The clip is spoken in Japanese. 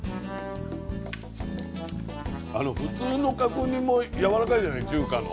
普通の角煮もやわらかいじゃない中華の。